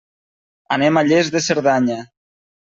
Anem a Lles de Cerdanya.